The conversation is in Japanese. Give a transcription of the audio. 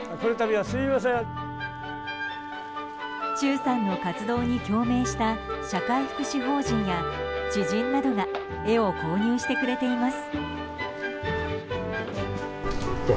忠さんの活動に共鳴した社会福祉法人や知人などが絵を購入してくれています。